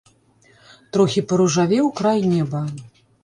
Трохі паружавеў край неба.